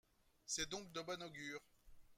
C’est donc de bon augure.